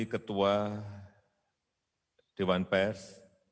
ketua dewan pers